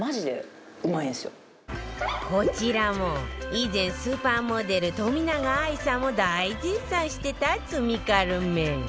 こちらも以前スーパーモデル冨永愛さんも大絶賛してた罪軽麺